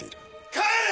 帰れ！